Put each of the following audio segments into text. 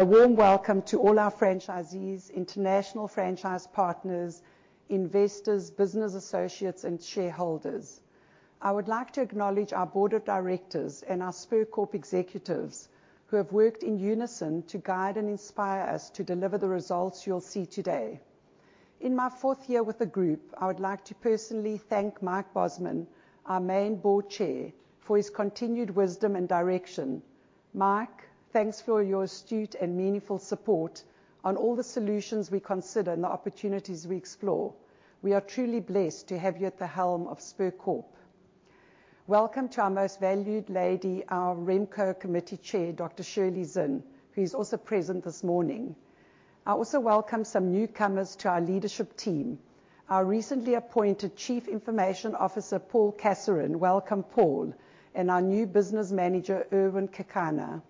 A warm welcome to all our franchisees, international franchise partners, investors, business associates, and shareholders. I would like to acknowledge our board of directors and our Spur Corporation executives, who have worked in unison to guide and inspire us to deliver the results you'll see today. In my fourth year with the group, I would like to personally thank Mike Bosman, our main board chair, for his continued wisdom and direction. Mike, thanks for your astute and meaningful support on all the solutions we consider and the opportunities we explore. We are truly blessed to have you at the helm of Spur Corporation. Welcome to our most valued lady, our Remco committee chair, Dr. Shirley Zinn, who is also present this morning. I also welcome some newcomers to our leadership team, our recently appointed Chief Information Officer, Paul Casarin. Welcome, Paul, and our new business manager, Irwin Kekana.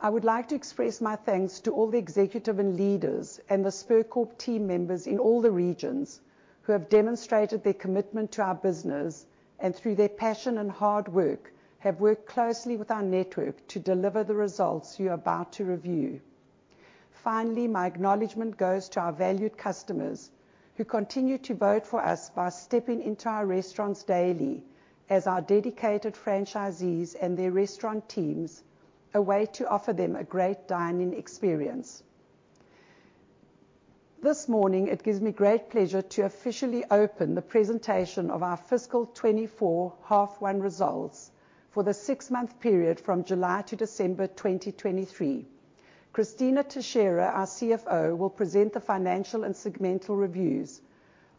I would like to express my thanks to all the executive and leaders and the Spur Corp team members in all the regions, who have demonstrated their commitment to our business, and through their passion and hard work, have worked closely with our network to deliver the results you are about to review. Finally, my acknowledgement goes to our valued customers, who continue to vote for us by stepping into our restaurants daily, as our dedicated franchisees and their restaurant teams a way to offer them a great dining experience. This morning, it gives me great pleasure to officially open the presentation of our fiscal 2024 half one results for the six-month period from July to December 2023. Cristina Teixeira, our CFO, will present the financial and segmental reviews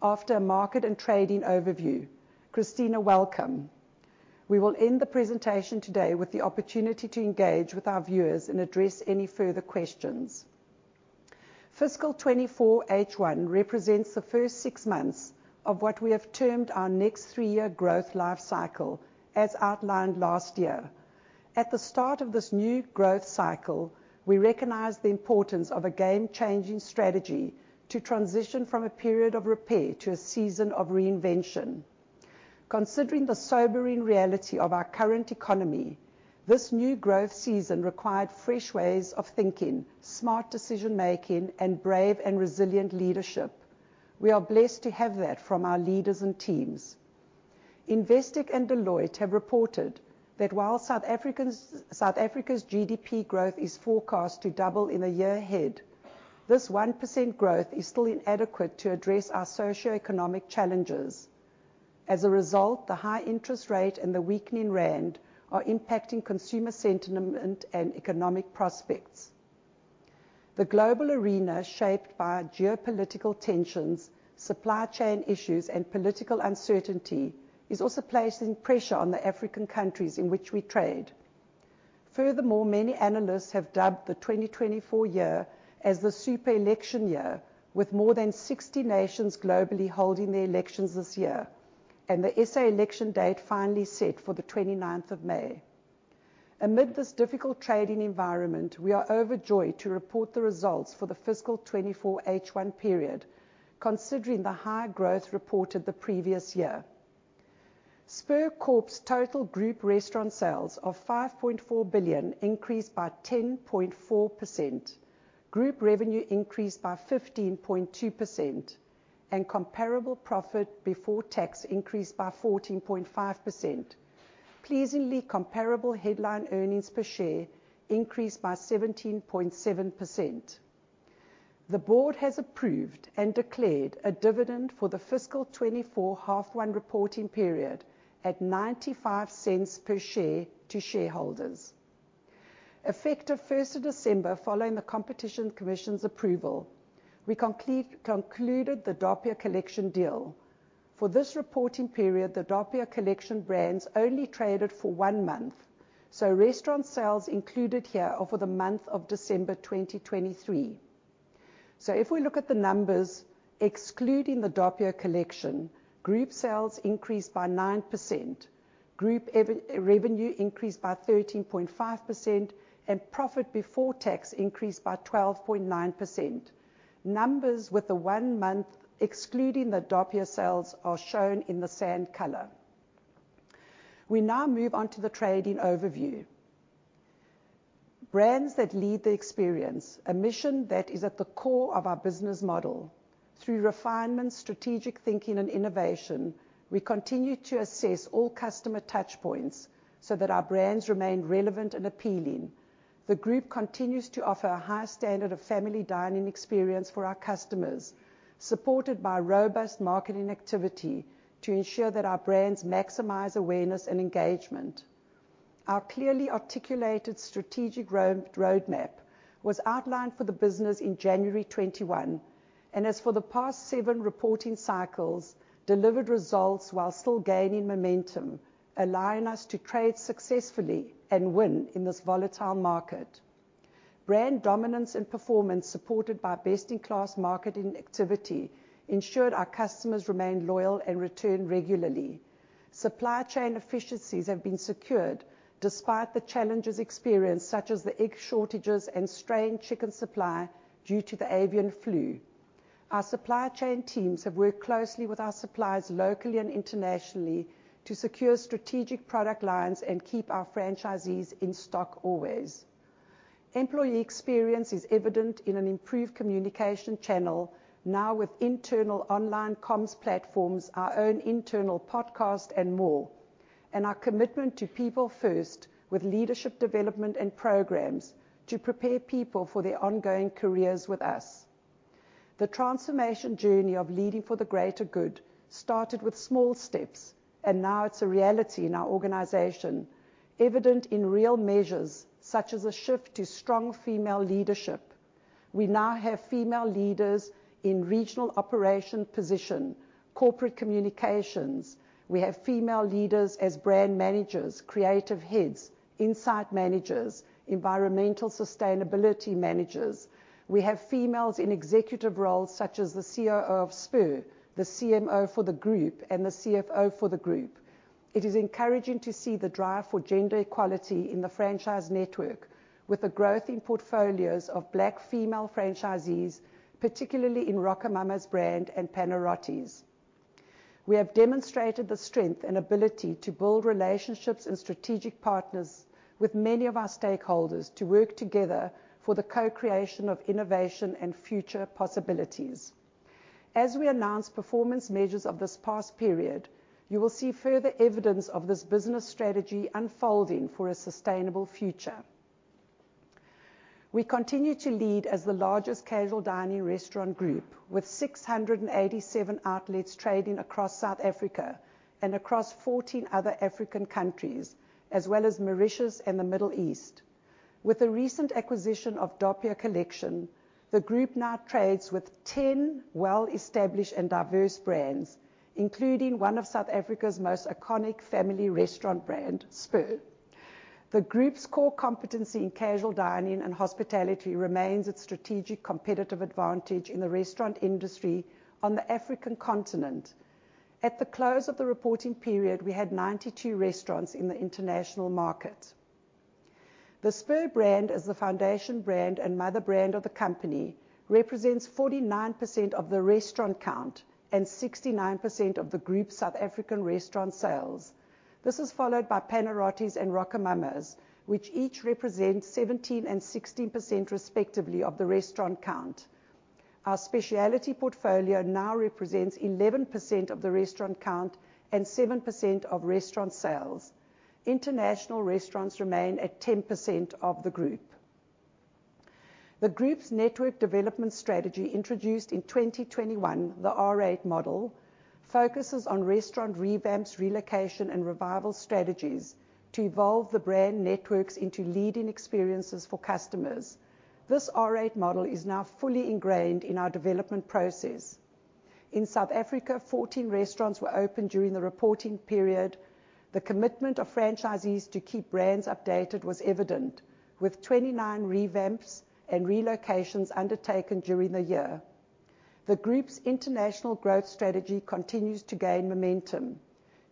after a market and trading overview. Cristina, welcome. We will end the presentation today with the opportunity to engage with our viewers and address any further questions. Fiscal 2024 H1 represents the first six months of what we have termed our next three-year growth life cycle, as outlined last year. At the start of this new growth cycle, we recognize the importance of a game-changing strategy to transition from a period of repair to a season of reinvention. Considering the sobering reality of our current economy, this new growth season required fresh ways of thinking, smart decision-making, and brave and resilient leadership. We are blessed to have that from our leaders and teams. Investec and Deloitte have reported that while South Africa's GDP growth is forecast to double in the year ahead, this 1% growth is still inadequate to address our socioeconomic challenges. As a result, the high interest rate and the weakening rand are impacting consumer sentiment and economic prospects. The global arena, shaped by geopolitical tensions, supply chain issues, and political uncertainty, is also placing pressure on the African countries in which we trade. Furthermore, many analysts have dubbed the 2024 year as the super election year, with more than 60 nations globally holding their elections this year, and the SA election date finally set for the 29th of May. Amid this difficult trading environment, we are overjoyed to report the results for the fiscal 2024 H1 period, considering the high growth reported the previous year. Spur Corporation's total group restaurant sales of 5.4 billion increased by 10.4%. Group revenue increased by 15.2%, and comparable profit before tax increased by 14.5%. Pleasingly, comparable headline earnings per share increased by 17.7%. The board has approved and declared a dividend for the fiscal 2024 half one reporting period at 0.95 per share to shareholders. Effective first of December, following the Competition Commission's approval, we concluded the Doppio Collection deal. For this reporting period, the Doppio Collection brands only traded for 1 month, so restaurant sales included here are for the month of December 2023. So if we look at the numbers, excluding the Doppio Collection, group sales increased by 9%, group revenue increased by 13.5%, and profit before tax increased by 12.9%. Numbers with the 1 month, excluding the Doppio sales, are shown in the sand color. We now move on to the trading overview. Brands that lead the experience, a mission that is at the core of our business model. Through refinement, strategic thinking, and innovation, we continue to assess all customer touchpoints so that our brands remain relevant and appealing. The group continues to offer a high standard of family dining experience for our customers, supported by robust marketing activity to ensure that our brands maximize awareness and engagement. Our clearly articulated strategic roadmap was outlined for the business in January 2021, and as for the past seven reporting cycles, delivered results while still gaining momentum, allowing us to trade successfully and win in this volatile market. Brand dominance and performance, supported by best-in-class marketing activity, ensured our customers remain loyal and return regularly. Supply chain efficiencies have been secured despite the challenges experienced, such as the egg shortages and strained chicken supply due to the avian flu. Our supply chain teams have worked closely with our suppliers locally and internationally to secure strategic product lines and keep our franchisees in stock always. Employee experience is evident in an improved communication channel, now with internal online comms platforms, our own internal podcast, and more, and our commitment to people first, with leadership development and programs to prepare people for their ongoing careers with us. The transformation journey of leading for the greater good started with small steps, and now it's a reality in our organization, evident in real measures such as a shift to strong female leadership. We now have female leaders in regional operation position, corporate communications. We have female leaders as brand managers, creative heads, insight managers, environmental sustainability managers. We have females in executive roles such as the COO of Spur, the CMO for the group, and the CFO for the group. It is encouraging to see the drive for gender equality in the franchise network, with a growth in portfolios of Black female franchisees, particularly in RocoMamas brand and Panarottis. We have demonstrated the strength and ability to build relationships and strategic partners with many of our stakeholders to work together for the co-creation of innovation and future possibilities. As we announce performance measures of this past period, you will see further evidence of this business strategy unfolding for a sustainable future. We continue to lead as the largest casual dining restaurant group, with 687 outlets trading across South Africa and across 14 other African countries, as well as Mauritius and the Middle East. With the recent acquisition of Doppio Collection, the group now trades with 10 well-established and diverse brands, including one of South Africa's most iconic family restaurant brand, Spur. The group's core competency in casual dining and hospitality remains its strategic competitive advantage in the restaurant industry on the African continent. At the close of the reporting period, we had 92 restaurants in the international market. The Spur brand, as the foundation brand and mother brand of the company, represents 49% of the restaurant count and 69% of the group's South African restaurant sales. This is followed by Panarottis and RocoMamas, which each represent 17 and 16%, respectively, of the restaurant count. Our specialty portfolio now represents 11% of the restaurant count and 7% of restaurant sales. International restaurants remain at 10% of the group. The group's network development strategy, introduced in 2021, the R8 model, focuses on restaurant revamps, relocation, and revival strategies to evolve the brand networks into leading experiences for customers. This R8 Model is now fully ingrained in our development process. In South Africa, 14 restaurants were opened during the reporting period. The commitment of franchisees to keep brands updated was evident, with 29 revamps and relocations undertaken during the year. The group's international growth strategy continues to gain momentum.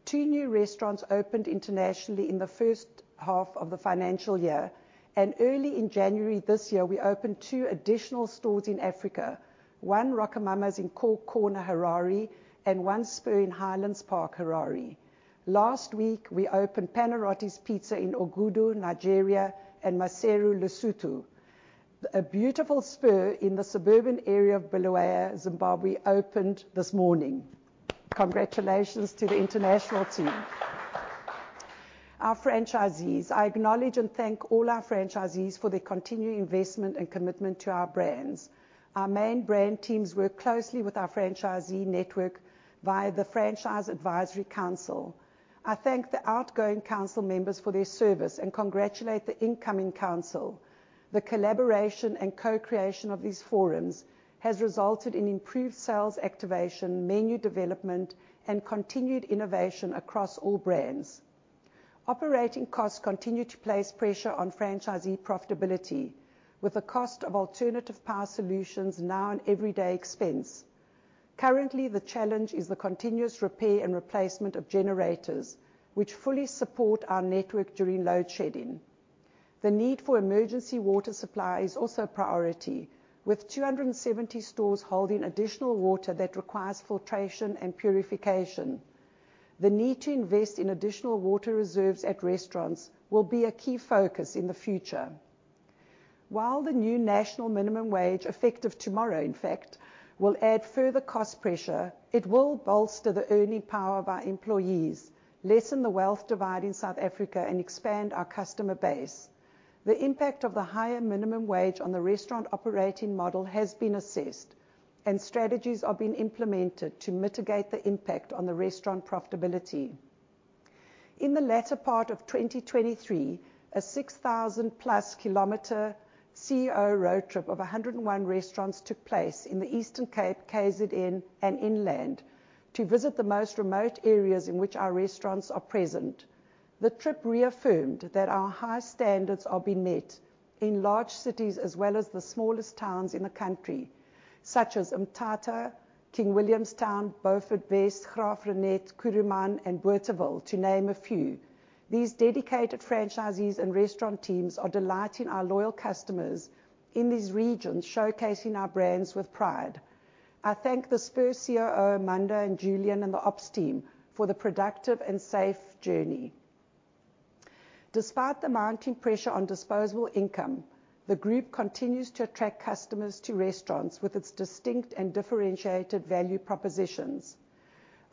2 new restaurants opened internationally in the first half of the financial year, and early in January this year, we opened 2 additional stores in Africa, 1 RocoMamas in Corner, Harare, and 1 Spur in Highlands Park, Harare. Last week, we opened Panarottis Pizza in Ogudu, Nigeria, and Maseru, Lesotho. A beautiful Spur in the suburban area of Bulawayo, Zimbabwe, opened this morning. Congratulations to the international team. Our franchisees. I acknowledge and thank all our franchisees for their continuing investment and commitment to our brands. Our main brand teams work closely with our franchisee network via the Franchise Advisory Council. I thank the outgoing council members for their service and congratulate the incoming council. The collaboration and co-creation of these forums has resulted in improved sales activation, menu development, and continued innovation across all brands. Operating costs continue to place pressure on franchisee profitability, with the cost of alternative power solutions now an everyday expense. Currently, the challenge is the continuous repair and replacement of generators, which fully support our network during load shedding. The need for emergency water supply is also a priority, with 270 stores holding additional water that requires filtration and purification. The need to invest in additional water reserves at restaurants will be a key focus in the future. While the new national minimum wage, effective tomorrow, in fact, will add further cost pressure, it will bolster the earning power of our employees, lessen the wealth divide in South Africa, and expand our customer base. The impact of the higher minimum wage on the restaurant operating model has been assessed, and strategies are being implemented to mitigate the impact on the restaurant profitability. In the latter part of 2023, a 6,000+ km CEO road trip of 101 restaurants took place in the Eastern Cape, KZN, and inland, to visit the most remote areas in which our restaurants are present. The trip reaffirmed that our high standards are being met in large cities as well as the smallest towns in the country, such as Mthatha, King William's Town, Beaufort West, Graaff-Reinet, Kuruman, and Boeterveld, to name a few... These dedicated franchisees and restaurant teams are delighting our loyal customers in these regions, showcasing our brands with pride. I thank the Spur COO, Manda and Julian, and the ops team for the productive and safe journey. Despite the mounting pressure on disposable income, the group continues to attract customers to restaurants with its distinct and differentiated value propositions.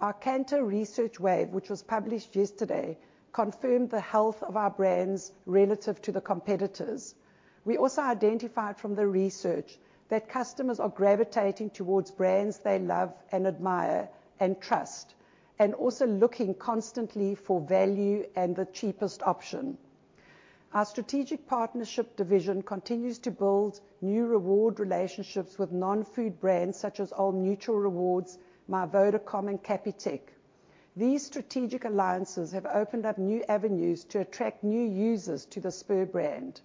Our Kantar research wave, which was published yesterday, confirmed the health of our brands relative to the competitors. We also identified from the research that customers are gravitating towards brands they love and admire and trust, and also looking constantly for value and the cheapest option. Our strategic partnership division continues to build new reward relationships with non-food brands, such as Old Mutual Rewards, MyVodacom and Capitec. These strategic alliances have opened up new avenues to attract new users to the Spur brand.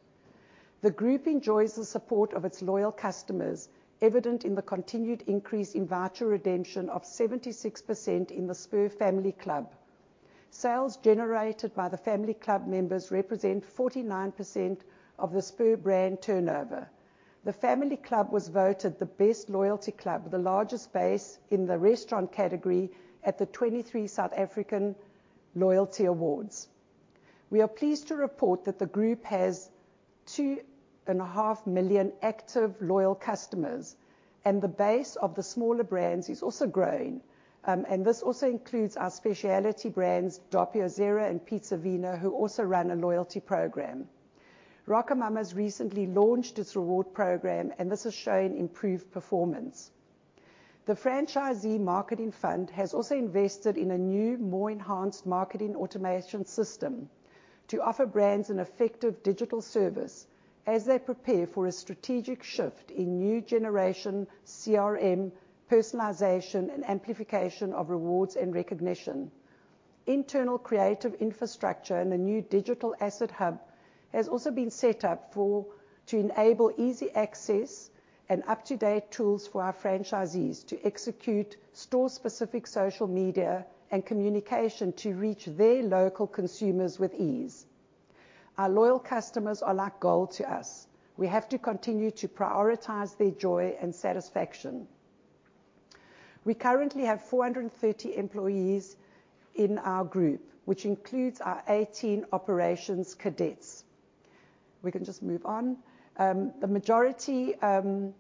The group enjoys the support of its loyal customers, evident in the continued increase in voucher redemption of 76% in the Spur Family Club. Sales generated by the Family Club members represent 49% of the Spur brand turnover. The Family Club was voted the best loyalty club, with the largest base in the restaurant category at the 23 South African Loyalty Awards. We are pleased to report that the group has 2.5 million active, loyal customers, and the base of the smaller brands is also growing. And this also includes our specialty brands, Doppio Zero and Piza e Vino, who also run a loyalty program. RocoMamas recently launched its reward program, and this has shown improved performance. The franchisee marketing fund has also invested in a new, more enhanced marketing automation system to offer brands an effective digital service as they prepare for a strategic shift in new generation CRM, personalization, and amplification of rewards and recognition. Internal creative infrastructure and a new digital asset hub has also been set up to enable easy access and up-to-date tools for our franchisees to execute store-specific social media and communication to reach their local consumers with ease. Our loyal customers are like gold to us. We have to continue to prioritize their joy and satisfaction. We currently have 430 employees in our group, which includes our 18 operations cadets. We can just move on. The majority, Our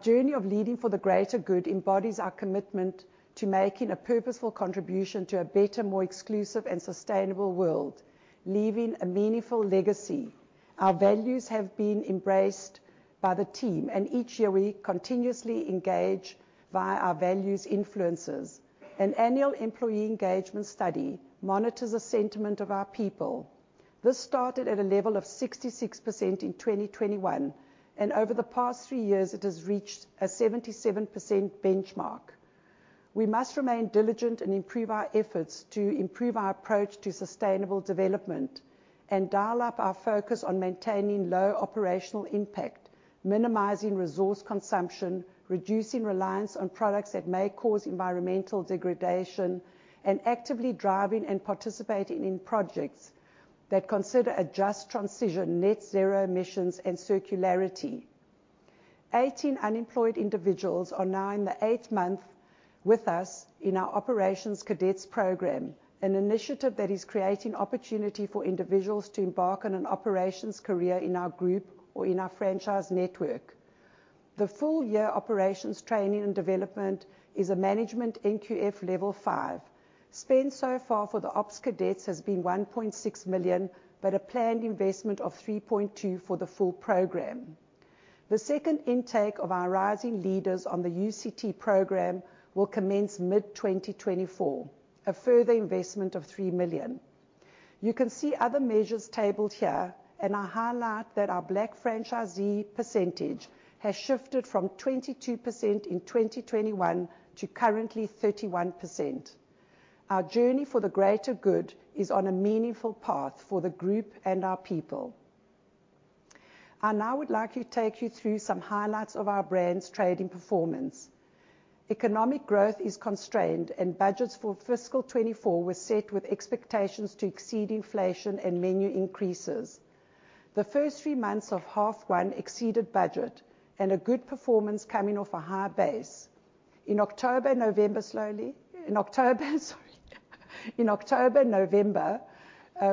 journey of leading for the greater good embodies our commitment to making a purposeful contribution to a better, more exclusive and sustainable world, leaving a meaningful legacy. Our values have been embraced by the team, and each year we continuously engage via our values influencers. An annual employee engagement study monitors the sentiment of our people. This started at a level of 66% in 2021, and over the past three years, it has reached a 77% benchmark. We must remain diligent and improve our efforts to improve our approach to sustainable development and dial up our focus on maintaining low operational impact, minimizing resource consumption, reducing reliance on products that may cause environmental degradation, and actively driving and participating in projects that consider a just transition, net zero emissions and circularity. Eighteen unemployed individuals are now in the 8th month with us in our Operations Cadets program, an initiative that is creating opportunity for individuals to embark on an operations career in our group or in our franchise network. The full-year operations training and development is a management NQF level 5. Spend so far for the ops cadets has been 1.6 million, but a planned investment of 3.2 million for the full program. The second intake of our rising leaders on the UCT program will commence mid-2024, a further investment of 3 million. You can see other measures tabled here, and I highlight that our Black franchisee percentage has shifted from 22% in 2021 to currently 31%. Our journey for the greater good is on a meaningful path for the group and our people. I now would like to take you through some highlights of our brand's trading performance. Economic growth is constrained, and budgets for fiscal 2024 were set with expectations to exceed inflation and menu increases. The first three months of half one exceeded budget, and a good performance coming off a high base. In October, November,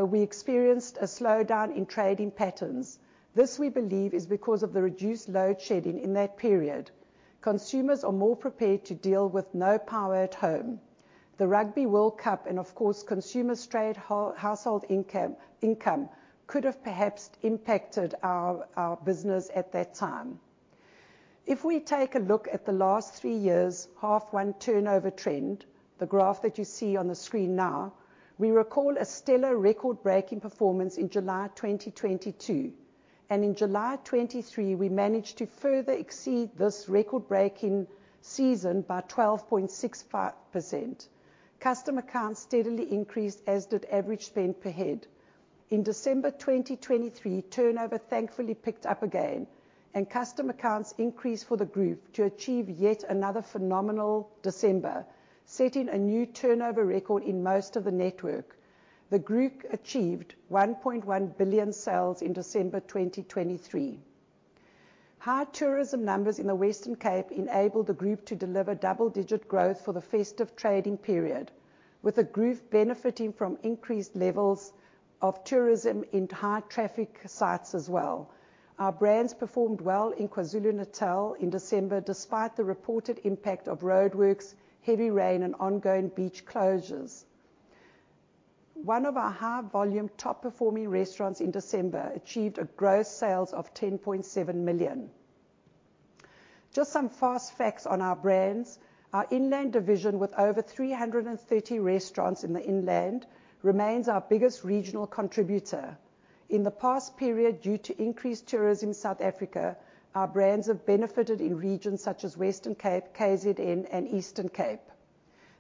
we experienced a slowdown in trading patterns. This, we believe, is because of the reduced load shedding in that period. Consumers are more prepared to deal with no power at home, the Rugby World Cup, and of course, consumer household income could have perhaps impacted our business at that time. If we take a look at the last three years, half one turnover trend, the graph that you see on the screen now, we recall a stellar record-breaking performance in July 2022. In July 2023, we managed to further exceed this record-breaking season by 12.65%. Customer counts steadily increased, as did average spend per head... In December 2023, turnover thankfully picked up again, and customer accounts increased for the group to achieve yet another phenomenal December, setting a new turnover record in most of the network. The group achieved 1.1 billion sales in December 2023. High tourism numbers in the Western Cape enabled the group to deliver double-digit growth for the festive trading period, with the group benefiting from increased levels of tourism in high-traffic sites as well. Our brands performed well in KwaZulu-Natal in December, despite the reported impact of roadworks, heavy rain and ongoing beach closures. One of our high-volume, top-performing restaurants in December achieved gross sales of 10.7 million. Just some fast facts on our brands. Our inland division, with over 330 restaurants in the inland, remains our biggest regional contributor. In the past period, due to increased tourism in South Africa, our brands have benefited in regions such as Western Cape, KZN, and Eastern Cape.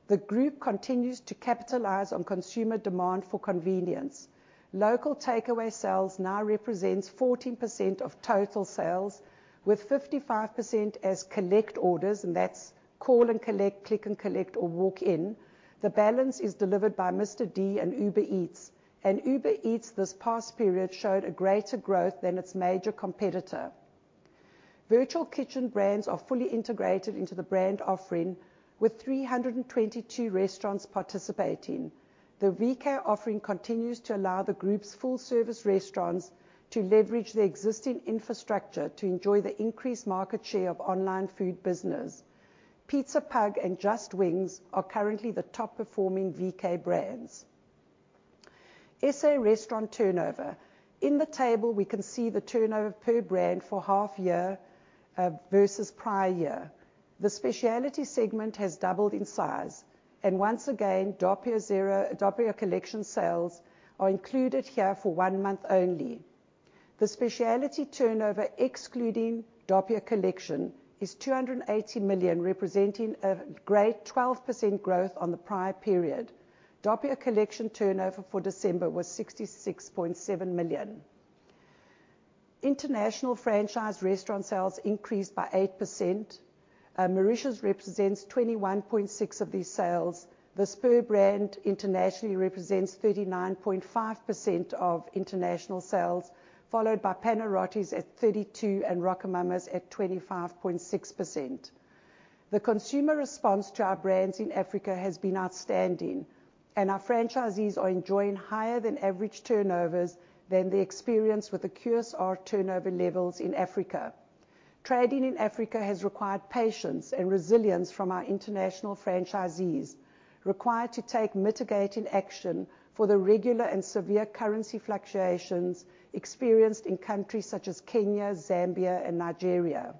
The group continues to capitalize on consumer demand for convenience. Local takeaway sales now represents 14% of total sales, with 55% as collect orders, and that's call and collect, click and collect or walk in. The balance is delivered by Mr. D and Uber Eats, and Uber Eats this past period showed a greater growth than its major competitor. Virtual Kitchen brands are fully integrated into the brand offering, with 322 restaurants participating. The VK offering continues to allow the group's full-service restaurants to leverage their existing infrastructure to enjoy the increased market share of online food business. Pizza Pug and Just Wings are currently the top-performing VK brands. SA restaurant turnover. In the table, we can see the turnover per brand for half year versus prior year. The specialty segment has doubled in size, and once again, Doppio Zero - Doppio Collection sales are included here for one month only. The specialty turnover, excluding Doppio Collection, is 280 million, representing a great 12% growth on the prior period. Doppio Collection turnover for December was 66.7 million. International franchise restaurant sales increased by 8%. Mauritius represents 21.6% of these sales. The Spur brand internationally represents 39.5% of international sales, followed by Panarottis at 32%, and RocoMamas at 25.6%. The consumer response to our brands in Africa has been outstanding, and our franchisees are enjoying higher than average turnovers than they experienced with the QSR turnover levels in Africa. Trading in Africa has required patience and resilience from our international franchisees, required to take mitigating action for the regular and severe currency fluctuations experienced in countries such as Kenya, Zambia, and Nigeria.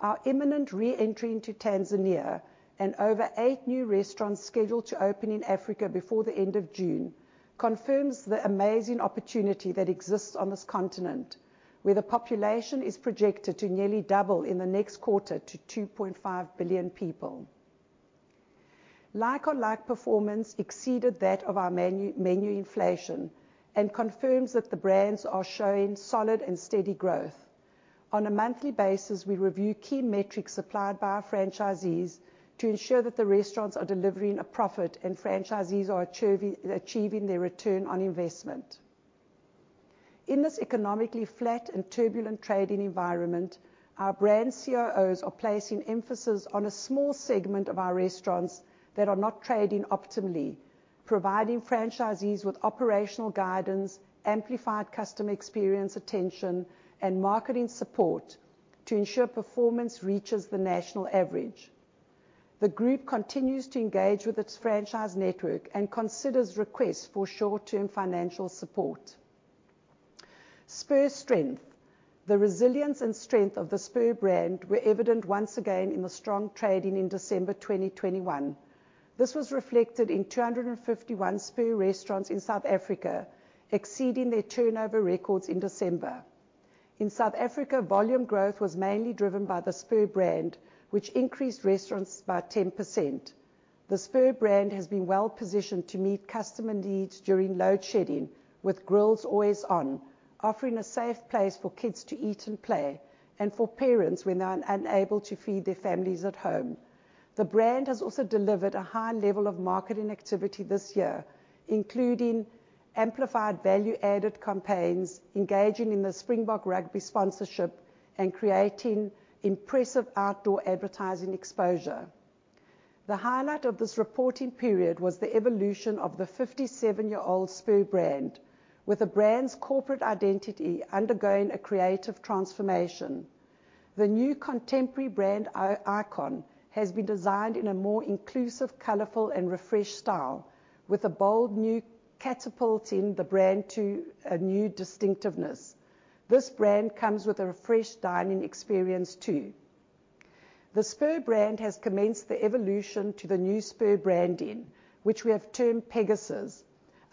Our imminent re-entry into Tanzania and over eight new restaurants scheduled to open in Africa before the end of June confirms the amazing opportunity that exists on this continent, where the population is projected to nearly double in the next quarter to 2.5 billion people. Like-on-like performance exceeded that of our menu, menu inflation and confirms that the brands are showing solid and steady growth. On a monthly basis, we review key metrics supplied by our franchisees to ensure that the restaurants are delivering a profit and franchisees are achieving their return on investment. In this economically flat and turbulent trading environment, our brand COOs are placing emphasis on a small segment of our restaurants that are not trading optimally, providing franchisees with operational guidance, amplified customer experience, attention, and marketing support to ensure performance reaches the national average. The group continues to engage with its franchise network and considers requests for short-term financial support. Spur strength. The resilience and strength of the Spur brand were evident once again in the strong trading in December 2021. This was reflected in 251 Spur restaurants in South Africa, exceeding their turnover records in December. In South Africa, volume growth was mainly driven by the Spur brand, which increased restaurants by 10%. The Spur brand has been well positioned to meet customer needs during load shedding, with grills always on, offering a safe place for kids to eat and play, and for parents when they are unable to feed their families at home. The brand has also delivered a high level of marketing activity this year, including amplified value-added campaigns, engaging in the Springbok Rugby sponsorship, and creating impressive outdoor advertising exposure. The highlight of this reporting period was the evolution of the 57-year-old Spur brand, with the brand's corporate identity undergoing a creative transformation. The new contemporary brand icon has been designed in a more inclusive, colorful, and refreshed style, with a bold new catapulting the brand to a new distinctiveness. This brand comes with a refreshed dining experience, too. The Spur brand has commenced the evolution to the new Spur branding, which we have termed Pegasus.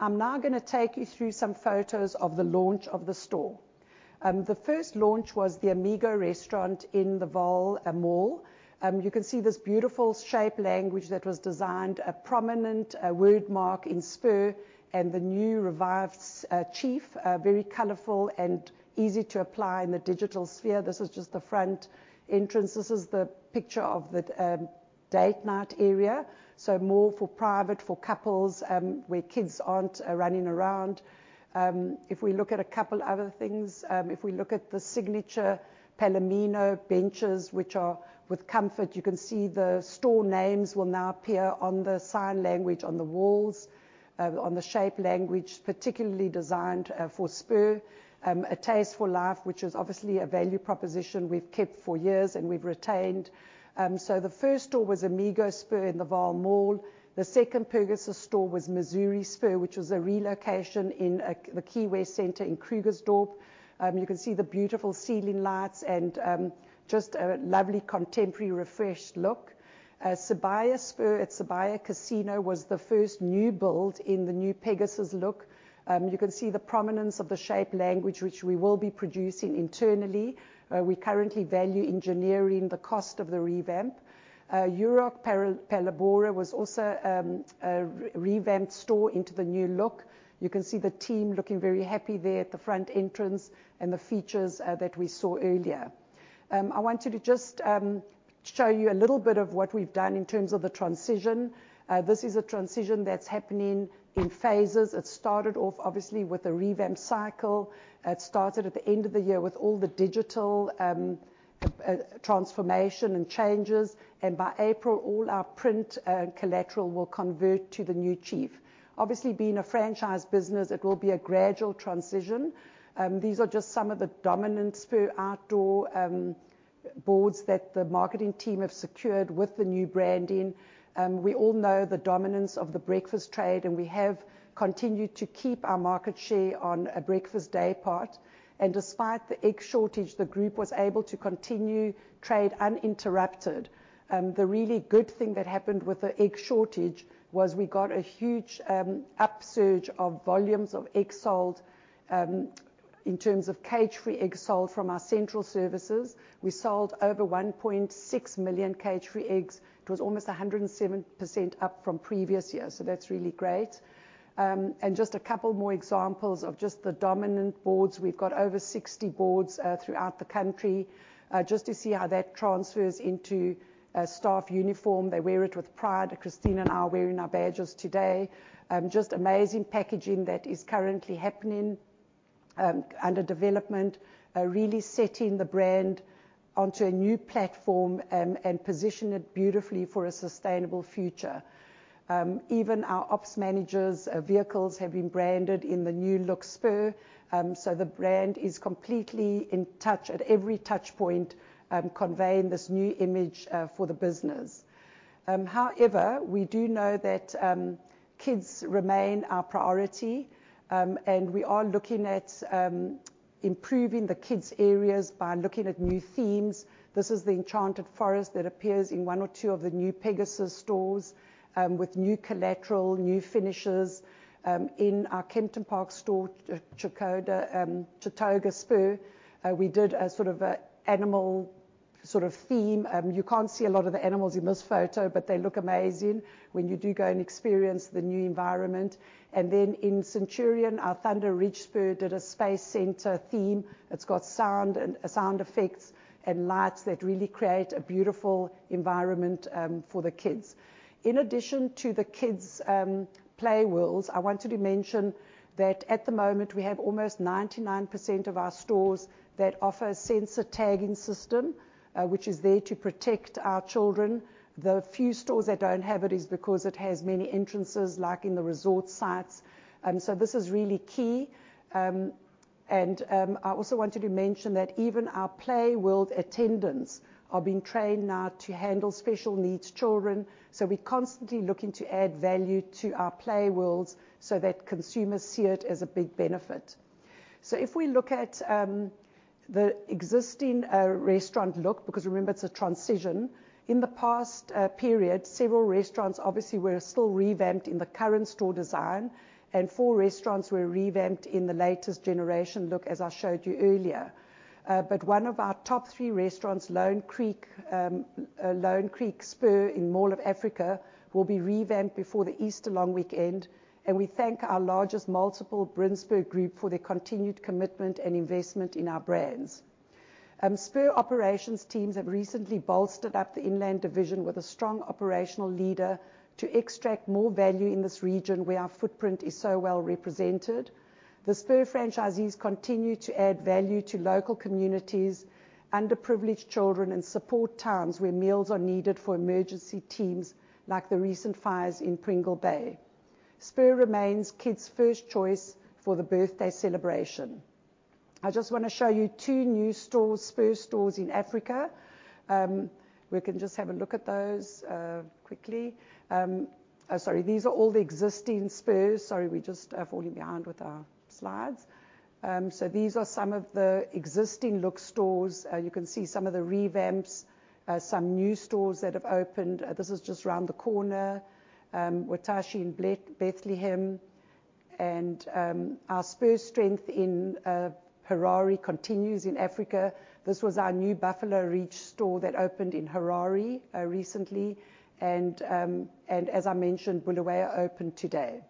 I'm now going to take you through some photos of the launch of the store. The first launch was the Amigo restaurant in the Vaal Mall. You can see this beautiful shape language that was designed, a prominent wordmark in Spur, and the new revived scheme, very colorful and easy to apply in the digital sphere. This is just the front entrance. This is the picture of the date night area, so more for private, for couples, where kids aren't running around. If we look at a couple other things, if we look at the signature Palomino benches, which are with comfort, you can see the store names will now appear on the sign language on the walls, on the shape language, particularly designed for Spur. A Taste for Life, which is obviously a value proposition we've kept for years and we've retained. So the first store was Amigo Spur in the Vaal Mall. The second Pegasus store was Missouri Spur, which was a relocation in the Key West Center in Krugersdorp. You can see the beautiful ceiling lights and just a lovely, contemporary, refreshed look. Sibaya Spur at Sibaya Casino was the first new build in the new Pegasus look. You can see the prominence of the shape language, which we will be producing internally. We currently value engineering the cost of the revamp. Euro Park Palabora was also a revamped store into the new look. You can see the team looking very happy there at the front entrance and the features that we saw earlier. I wanted to just show you a little bit of what we've done in terms of the transition. This is a transition that's happening in phases. It started off, obviously, with a revamp cycle. It started at the end of the year with all the digital transformation and changes, and by April, all our print collateral will convert to the new chief. Obviously, being a franchise business, it will be a gradual transition. These are just some of the dominant Spur outdoor boards that the marketing team have secured with the new branding. We all know the dominance of the breakfast trade, and we have continued to keep our market share on a breakfast day part, and despite the egg shortage, the group was able to continue trade uninterrupted. The really good thing that happened with the egg shortage was we got a huge upsurge of volumes of eggs sold. In terms of cage-free eggs sold from our central services, we sold over 1.6 million cage-free eggs. It was almost 107% up from previous years, so that's really great. And just a couple more examples of just the dominant boards. We've got over 60 boards throughout the country. Just to see how that transfers into a staff uniform. They wear it with pride. Cristina and I are wearing our badges today. Just amazing packaging that is currently happening under development, really setting the brand onto a new platform, and position it beautifully for a sustainable future. Even our ops managers' vehicles have been branded in the new look Spur, so the brand is completely in touch at every touchpoint, conveying this new image for the business. However, we do know that kids remain our priority, and we are looking at improving the kids' areas by looking at new themes. This is the enchanted forest that appears in one or two of the new Pegasus stores, with new collateral, new finishes. In our Kempton Park store, Chautoga Spur, we did a sort of a animal sort of theme. You can't see a lot of the animals in this photo, but they look amazing when you do go and experience the new environment. And then in Centurion, our Thunder Ridge Spur did a space center theme. It's got sound and sound effects and lights that really create a beautiful environment for the kids. In addition to the kids' play worlds, I wanted to mention that at the moment, we have almost 99% of our stores that offer sensor tagging system, which is there to protect our children. The few stores that don't have it is because it has many entrances, like in the resort sites. So this is really key. And I also wanted to mention that even our play world attendants are being trained now to handle special needs children. So we're constantly looking to add value to our play worlds so that consumers see it as a big benefit. So if we look at the existing restaurant look, because remember, it's a transition. In the past period, several restaurants obviously were still revamped in the current store design, and four restaurants were revamped in the latest generation look, as I showed you earlier. But one of our top three restaurants, Lone Creek Spur in Mall of Africa, will be revamped before the Easter long weekend, and we thank our largest multiple, Bruinsburg Group, for their continued commitment and investment in our brands. Spur operations teams have recently bolstered up the inland division with a strong operational leader to extract more value in this region, where our footprint is so well represented. The Spur franchisees continue to add value to local communities and underprivileged children and support towns where meals are needed for emergency teams, like the recent fires in Pringle Bay. Spur remains kids' first choice for the birthday celebration. I just want to show you two new stores, Spur stores, in Africa. We can just have a look at those, quickly. Oh, sorry, these are all the existing Spurs. Sorry, we're just falling behind with our slides. So these are some of the existing look stores. You can see some of the revamps... some new stores that have opened. This is just around the corner, Watashi in Bethlehem. And, our Spur strength in Harare continues in Africa. This was our new Buffalo Ridge store that opened in Harare, recently. And, and as I mentioned, Bulawayo opened today.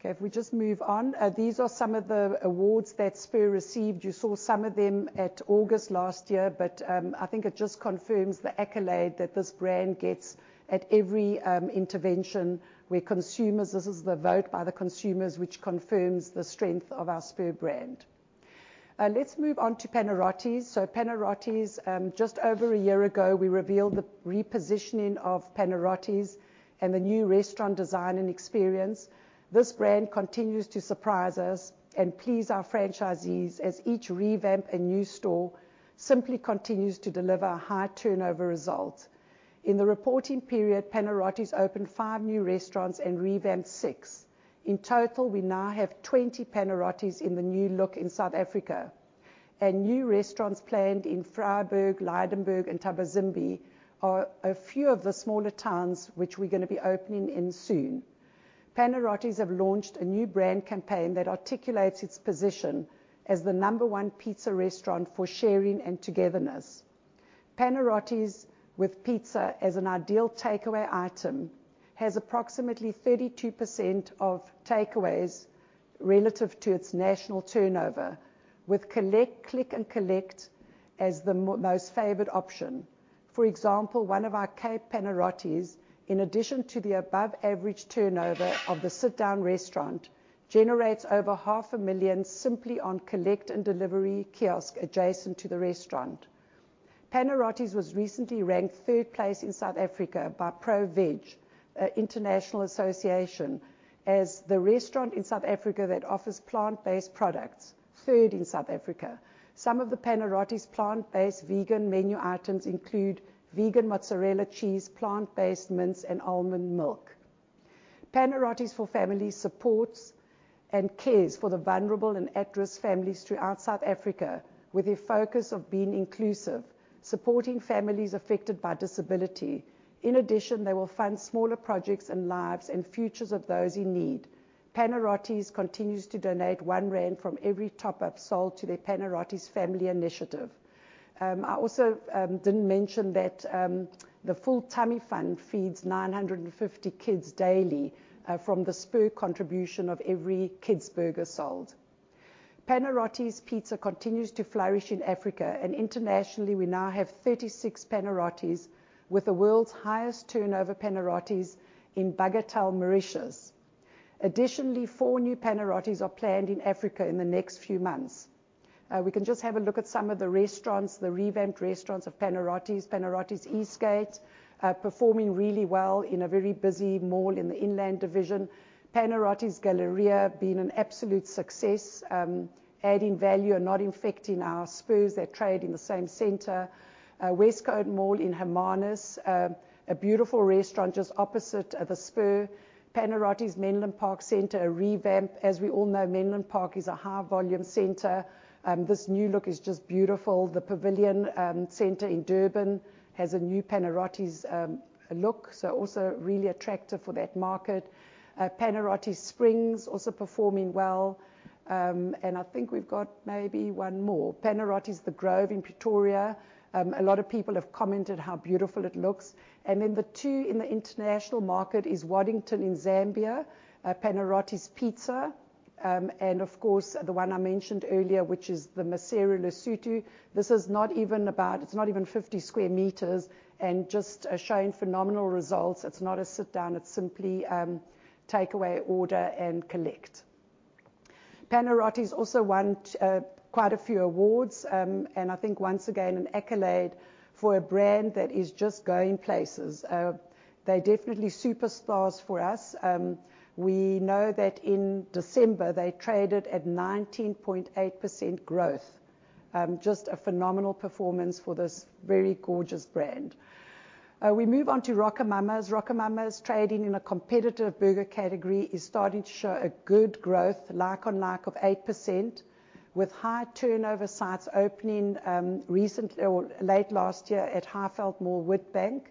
Okay, if we just move on. These are some of the awards that Spur received. You saw some of them at August last year, but, I think it just confirms the accolade that this brand gets at every, intervention where consumers, this is the vote by the consumers, which confirms the strength of our Spur brand. Let's move on to Panarottis. So Panarottis, just over a year ago, we revealed the repositioning of Panarottis and the new restaurant design and experience. This brand continues to surprise us and please our franchisees, as each revamp and new store simply continues to deliver high turnover results. In the reporting period, Panarottis opened 5 new restaurants and revamped 6. In total, we now have 20 Panarottis in the new look in South Africa, and new restaurants planned in Freiburg, Lydenburg and Thabazimbi are a few of the smaller towns which we're going to be opening in soon. Panarottis have launched a new brand campaign that articulates its position as the number one pizza restaurant for sharing and togetherness. Panarottis, with pizza as an ideal takeaway item, has approximately 32% of takeaways relative to its national turnover, with collect, click and collect as the most favored option. For example, one of our Cape Panarottis, in addition to the above average turnover of the sit-down restaurant, generates over 500,000 simply on collect and delivery kiosk adjacent to the restaurant. Panarottis was recently ranked third place in South Africa by ProVeg, an international association, as the restaurant in South Africa that offers plant-based products. Third in South Africa. Some of the Panarottis plant-based vegan menu items include vegan mozzarella cheese, plant-based mince and almond milk. Panarottis for Families supports and cares for the vulnerable and at-risk families throughout South Africa, with a focus of being inclusive, supporting families affected by disability. In addition, they will fund smaller projects and lives and futures of those in need. Panarottis continues to donate 1 rand from every top-up sold to the Panarottis Family Initiative. I also didn't mention that the Full Tummy Fund feeds 950 kids daily from the Spur contribution of every kids burger sold. Panarottis Pizza continues to flourish in Africa, and internationally, we now have 36 Panarottis, with the world's highest turnover Panarottis in Bagatelle, Mauritius. Additionally, four new Panarottis are planned in Africa in the next few months. We can just have a look at some of the restaurants, the revamped restaurants of Panarottis. Panarottis Eastgate performing really well in a very busy mall in the inland division. Panarottis Galleria being an absolute success, adding value and not affecting our Spurs that trade in the same center. West Coast Mall in Hermanus, a beautiful restaurant just opposite the Spur. Panarottis Menlyn Park Center, a revamp. As we all know, Menlyn Park is a high-volume center. This new look is just beautiful. The Pavilion Center in Durban has a new Panarottis look, so also really attractive for that market. Panarottis Springs, also performing well. And I think we've got maybe one more. Panarottis, The Grove in Pretoria. A lot of people have commented how beautiful it looks. And then the two in the international market is Waddington in Zambia, Panarottis Pizza. Of course, the one I mentioned earlier, which is the Maseru, Lesotho. This is not even about, it's not even 50 square meters and just showing phenomenal results. It's not a sit-down, it's simply takeaway, order and collect. Panarottis also won quite a few awards. I think once again, an accolade for a brand that is just going places. They're definitely superstars for us. We know that in December, they traded at 19.8% growth. Just a phenomenal performance for this very gorgeous brand. We move on to RocoMamas. RocoMamas, trading in a competitive burger category, is starting to show a good growth, like-for-like, of 8%, with high turnover sites opening recently or late last year at Highveld Mall, Witbank.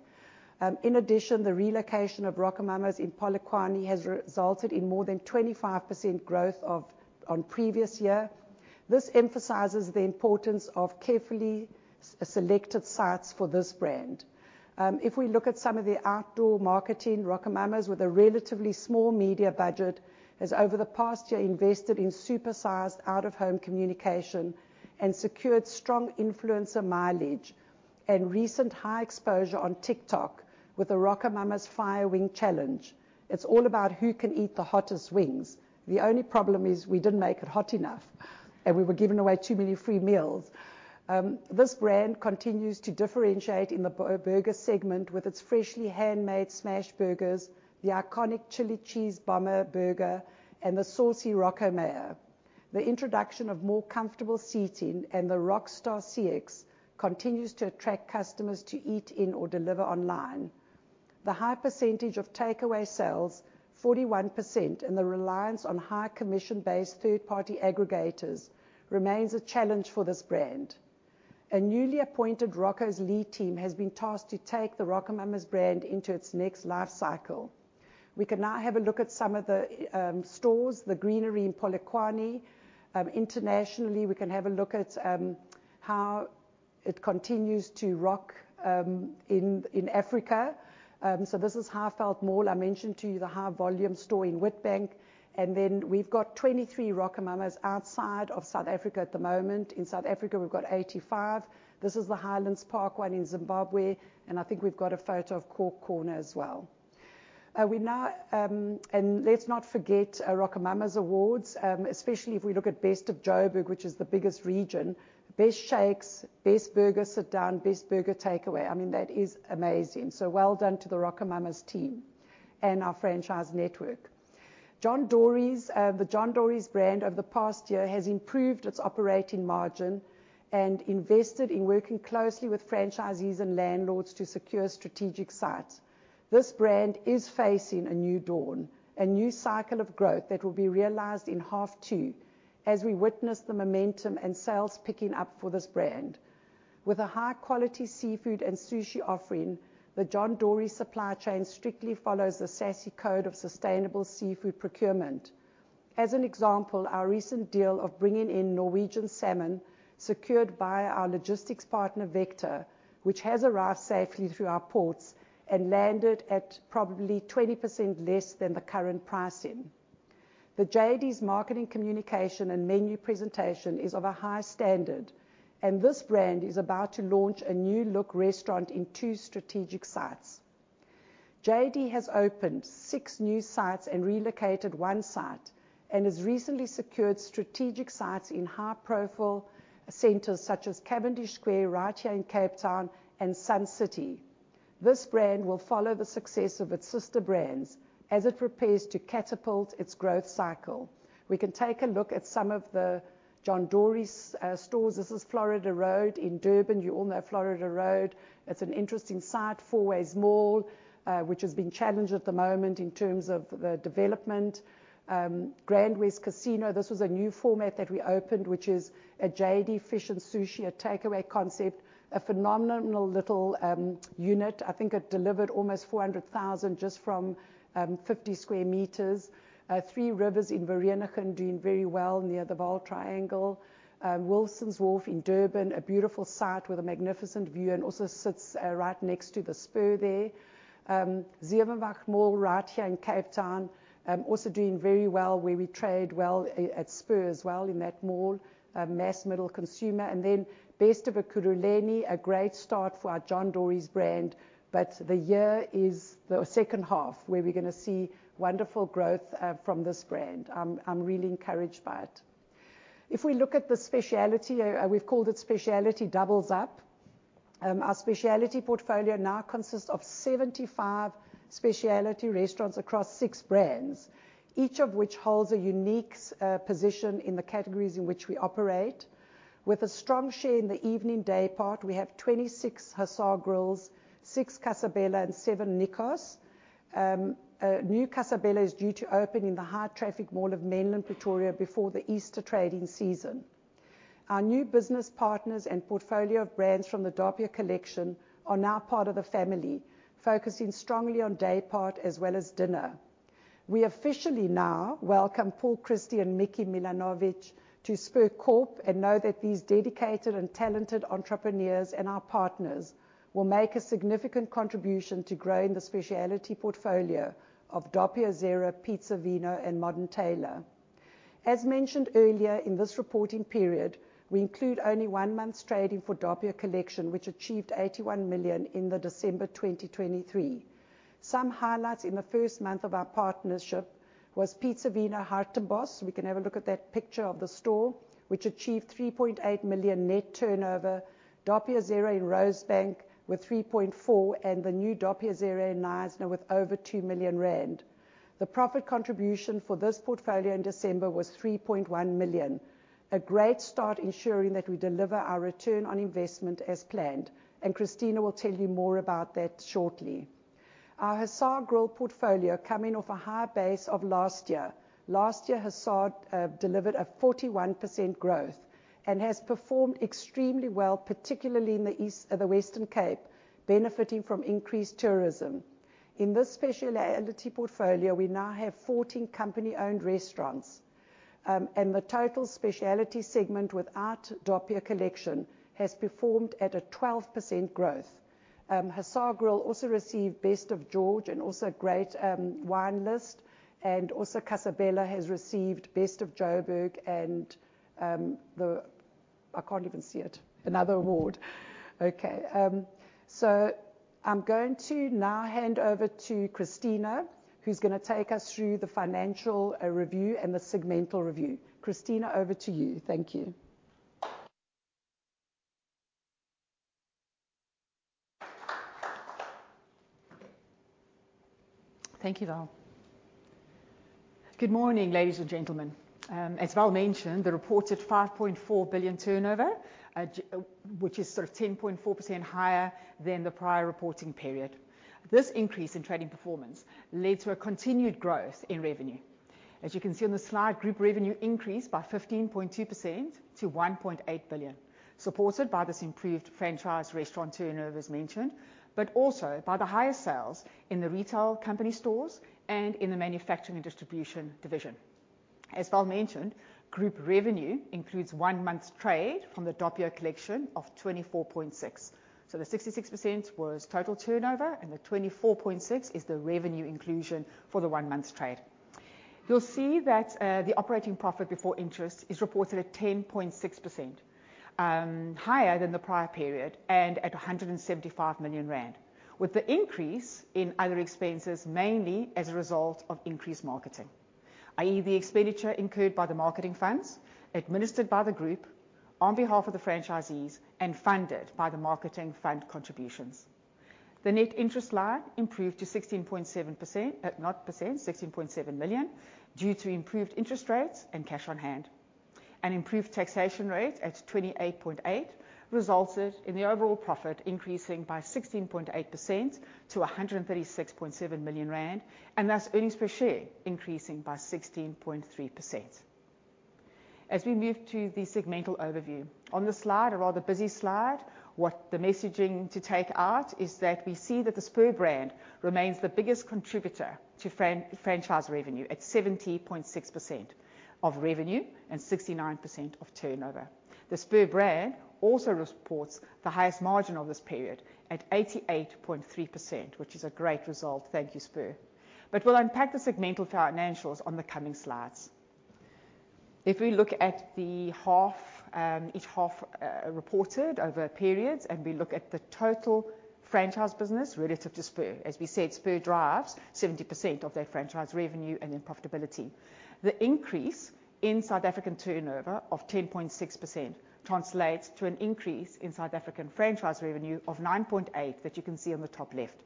In addition, the relocation of RocoMamas in Polokwane has resulted in more than 25% growth on previous year. This emphasizes the importance of carefully selected sites for this brand. If we look at some of the outdoor marketing, RocoMamas, with a relatively small media budget, has, over the past year, invested in super-sized out-of-home communication and secured strong influencer mileage and recent high exposure on TikTok with the RocoMamas Fire Wing challenge. It's all about who can eat the hottest wings. The only problem is, we didn't make it hot enough, and we were giving away too many free meals. This brand continues to differentiate in the burger segment with its freshly handmade smashed burgers, the iconic chili cheese bomber burger, and the saucy Rocamayo. The introduction of more comfortable seating and the rockstar CX continues to attract customers to eat in or deliver online. The high percentage of takeaway sales, 41%, and the reliance on high commission-based third-party aggregators remains a challenge for this brand. A newly appointed RocoMamas lead team has been tasked to take the RocoMamas brand into its next life cycle. We can now have a look at some of the stores, The Greenery in Polokwane. Internationally, we can have a look at how it continues to rock in Africa. So this is Highveld Mall. I mentioned to you the high-volume store in Witbank, and then we've got 23 RocoMamas outside of South Africa at the moment. In South Africa, we've got 85. This is the Highlands Park one in Zimbabwe, and I think we've got a photo of Corner as well. We now and let's not forget RocoMamas awards, especially if we look at Best of Joburg, which is the biggest region. Best Shakes, Best Burger Sit Down, Best Burger Takeaway. I mean, that is amazing. So well done to the RocoMamas team and our franchise network. John Dory's, the John Dory's brand, over the past year, has improved its operating margin and invested in working closely with franchisees and landlords to secure strategic sites. This brand is facing a new dawn, a new cycle of growth that will be realized in half two as we witness the momentum and sales picking up for this brand. With a high-quality seafood and sushi offering, the John Dory's supply chain strictly follows the SASSI Code of Sustainable Seafood Procurement. As an example, our recent deal of bringing in Norwegian salmon, secured by our logistics partner, Vector, which has arrived safely through our ports and landed at probably 20% less than the current pricing. The JD's marketing, communication, and menu presentation is of a high standard, and this brand is about to launch a new-look restaurant in two strategic sites. JD has opened six new sites and relocated one site, and has recently secured strategic sites in high-profile centers such as Cavendish Square, right here in Cape Town, and Sun City. This brand will follow the success of its sister brands as it prepares to catapult its growth cycle. We can take a look at some of the John Dory's stores. This is Florida Road in Durban. You all know Florida Road. It's an interesting site. Fourways Mall, which is being challenged at the moment in terms of the development. GrandWest Casino, this was a new format that we opened, which is a JD Fish and Sushi, a takeaway concept, a phenomenal little unit. I think it delivered almost 400,000 just from 50 square meters. Three Rivers in Vereeniging, doing very well near the Vaal Triangle. Wilson's Wharf in Durban, a beautiful site with a magnificent view and also sits right next to the Spur there. Zevenwacht Mall, right here in Cape Town, also doing very well, where we trade well at Spur as well in that mall, a mass middle consumer. Then Best of Ekurhuleni, a great start for our John Dory's brand, but the year is the second half, where we're gonna see wonderful growth from this brand. I'm really encouraged by it. If we look at the specialty, we've called it Specialty Doubles Up. Our specialty portfolio now consists of 75 specialty restaurants across six brands, each of which holds a unique, position in the categories in which we operate. With a strong share in the evening day part, we have 26 Hussar Grills, six Casa Bella, and seven Nico's. A new Casa Bella is due to open in the high-traffic mall of Menlyn Pretoria before the Easter trading season. Our new business partners and portfolio of brands from the Doppio Collection are now part of the family, focusing strongly on day part as well as dinner. We officially now welcome Paul Christie and Miki Milovanovic to Spur Corp, and know that these dedicated and talented entrepreneurs and our partners will make a significant contribution to growing the specialty portfolio of Doppio Zero, Piza e Vino, and Modern Tailors. As mentioned earlier, in this reporting period, we include only 1 month's trading for Doppio Collection, which achieved 81 million in December 2023. Some highlights in the first month of our partnership was Piza e Vino Hartenbos. We can have a look at that picture of the store, which achieved 3.8 million net turnover. Doppio Zero in Rosebank with 3.4, and the new Doppio Zero in Knysna with over 2 million rand. The profit contribution for this portfolio in December was 3.1 million. A great start, ensuring that we deliver our return on investment as planned, and Cristina will tell you more about that shortly. Our Hussar Grill portfolio, coming off a high base of last year. Last year, Hussar delivered a 41% growth and has performed extremely well, particularly in the Western Cape, benefiting from increased tourism. In this specialty portfolio, we now have 14 company-owned restaurants, and the total specialty segment without Doppio Collection has performed at a 12% growth. Hussar Grill also received Best of George and also great wine list, and also Casa Bella has received Best of Joburg and the... I can't even see it, another award. Okay, so I'm going to now hand over to Cristina, who's gonna take us through the financial review and the segmental review. Cristina, over to you. Thank you. Thank you, Val.... Good morning, ladies and gentlemen. As Val mentioned, the reported 5.4 billion turnover, which is sort of 10.4% higher than the prior reporting period. This increase in trading performance led to a continued growth in revenue. As you can see on the slide, group revenue increased by 15.2% to 1.8 billion, supported by this improved franchise restaurant turnover, as mentioned, but also by the higher sales in the retail company stores and in the manufacturing and distribution division. As Val mentioned, group revenue includes one month's trade from the Doppio Collection of 24.6 million. So the 66% was total turnover, and the 24.6 million is the revenue inclusion for the one month's trade. You'll see that, the operating profit before interest is reported at 10.6% higher than the prior period and at 175 million rand, with the increase in other expenses, mainly as a result of increased marketing, i.e., the expenditure incurred by the marketing funds administered by the group on behalf of the franchisees and funded by the marketing fund contributions. The net interest line improved to 16.7%, not percent, 16.7 million, due to improved interest rates and cash on hand. An improved taxation rate at 28.8% resulted in the overall profit increasing by 16.8% to 136.7 million rand, and thus earnings per share increasing by 16.3%. As we move to the segmental overview, on this slide, a rather busy slide, what the messaging to take out is that we see that the Spur brand remains the biggest contributor to franchise revenue, at 70.6% of revenue and 69% of turnover. The Spur brand also reports the highest margin of this period at 88.3%, which is a great result. Thank you, Spur. But we'll unpack the segmental financials on the coming slides. If we look at the half, each half, reported over periods, and we look at the total franchise business relative to Spur, as we said, Spur drives 70% of that franchise revenue and then profitability. The increase in South African turnover of 10.6% translates to an increase in South African franchise revenue of 9.8%, that you can see on the top left.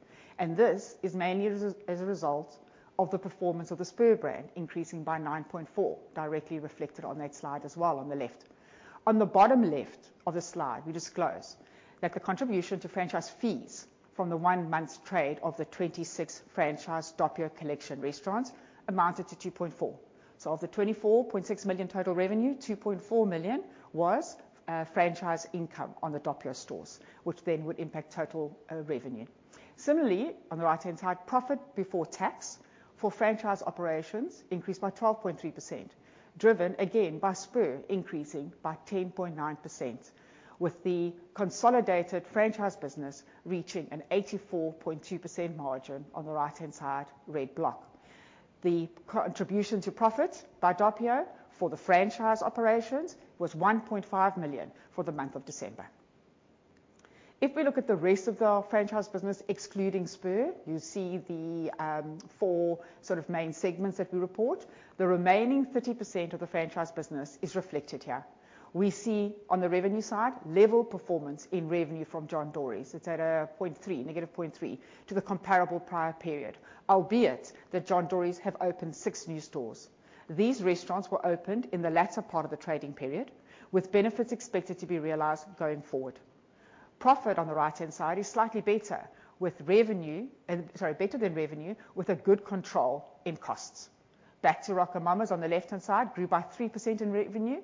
This is mainly as a result of the performance of the Spur brand, increasing by 9.4%, directly reflected on that slide as well on the left. On the bottom left of the slide, we disclose that the contribution to franchise fees from the one month's trade of the 26 franchise Doppio Collection restaurants amounted to 2.4 million. Of the 24.6 million total revenue, 2.4 million was franchise income on the Doppio stores, which then would impact total revenue. Similarly, on the right-hand side, profit before tax for franchise operations increased by 12.3%, driven again by Spur, increasing by 10.9%, with the consolidated franchise business reaching an 84.2% margin on the right-hand side, red block. The contribution to profit by Doppio for the franchise operations was 1.5 million for the month of December. If we look at the rest of the franchise business, excluding Spur, you see the four sort of main segments that we report. The remaining 30% of the franchise business is reflected here. We see, on the revenue side, level performance in revenue from John Dory's. It's at point three, negative point three to the comparable prior period, albeit that John Dory's have opened six new stores. These restaurants were opened in the latter part of the trading period, with benefits expected to be realized going forward. Profit on the right-hand side is slightly better, with revenue... Sorry, better than revenue, with a good control in costs. Back to RocoMamas on the left-hand side, grew by 3% in revenue,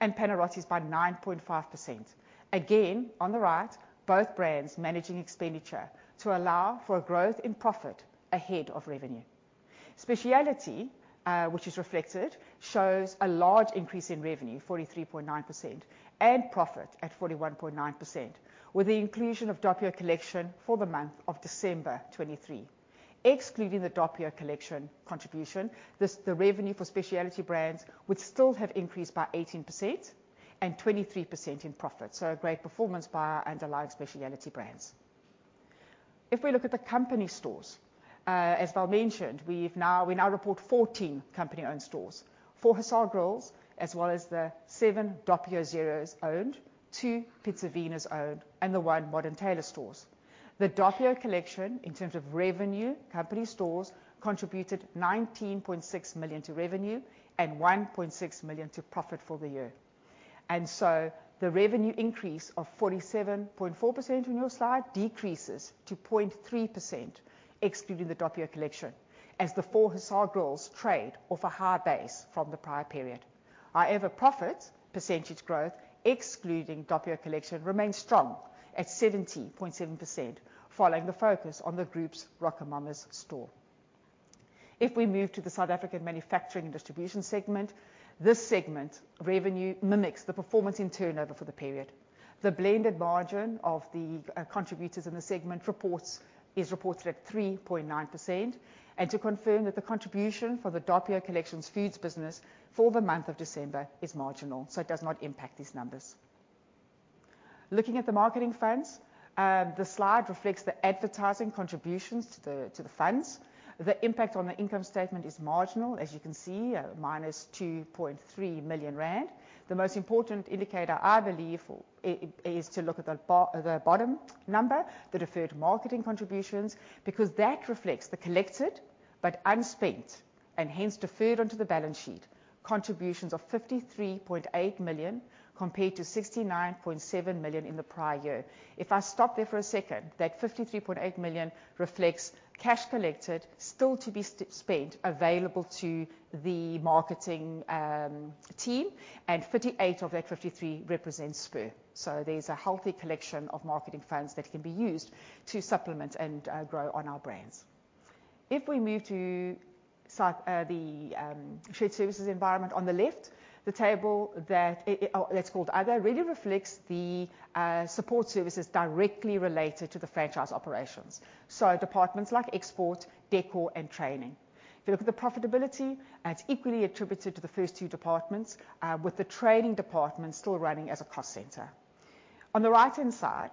and Panarottis by 9.5%. Again, on the right, both brands managing expenditure to allow for a growth in profit ahead of revenue. Specialty, which is reflected, shows a large increase in revenue, 43.9%, and profit at 41.9%, with the inclusion of Doppio Collection for the month of December 2023. Excluding the Doppio Collection contribution, this, the revenue for Specialty brands would still have increased by 18% and 23% in profit. So a great performance by our underlying Specialty brands. If we look at the company stores, as Val mentioned, we now report 14 company-owned stores. 4 Hussar Grills, as well as the 7 Doppio Zeros owned, 2 Piza e Vinos owned, and the 1 Modern Tailors store. The Doppio Collection, in terms of revenue, company stores contributed 19.6 million to revenue and 1.6 million to profit for the year. So the revenue increase of 47.4% on your slide decreases to 0.3% excluding the Doppio Collection, as the 4 Hussar Grills trade off a higher base from the prior period. However, profit percentage growth, excluding Doppio Collection, remains strong at 70.7%, following the focus on the group's RocoMamas store. If we move to the South African manufacturing and distribution segment, this segment revenue mimics the performance in turnover for the period. The blended margin of the contributors in the segment reports is reported at 3.9%, and to confirm that the contribution for the Doppio Collection's foods business for the month of December is marginal, so it does not impact these numbers. Looking at the marketing funds, the slide reflects the advertising contributions to the funds. The impact on the income statement is marginal, as you can see, minus 2.3 million rand. The most important indicator, I believe, is to look at the bottom number, the deferred marketing contributions, because that reflects the collected, but unspent, and hence deferred onto the balance sheet contributions of 53.8 million, compared to 69.7 million in the prior year. If I stop there for a second, that 53.8 million reflects cash collected, still to be spent, available to the marketing team, and 58% of that 53.8 represents Spur. So there's a healthy collection of marketing funds that can be used to supplement and grow on our brands. If we move to the shared services environment on the left, the table that's called other really reflects the support services directly related to the franchise operations, so departments like export, decor, and training. If you look at the profitability, it's equally attributed to the first two departments with the training department still running as a cost center. On the right-hand side,